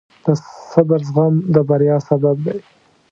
د صبر زغم د بریا سبب دی.